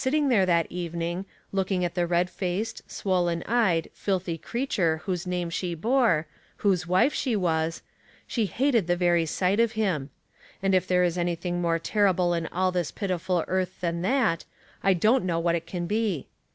ting there that evening, looking at the red faced, swollen eyed, filthy creature whose name she bore, whose wife she was, she hated the very sight of him ; and if there is anything more terrible in all this pitiful earth than that, I don't know what it can be.